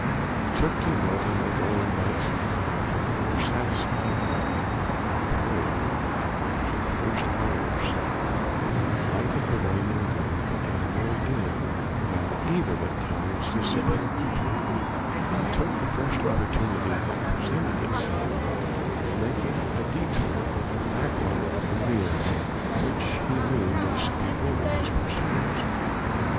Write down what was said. He took to noting the rolling banks of cloud with a more satisfied eye, and when, after the first hour or so, the light of the waning moon became more dim and even at times disappeared completely, he took the first opportunity that presented itself of making a détour over a backwater of the Meer, which he knew must bewilder his pursuers.